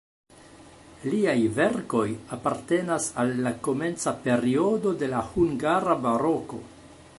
Liaj verkoj apartenas al la komenca periodo de la hungara baroko.